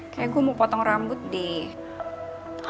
kayak gue mau potong rambut di